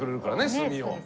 炭を。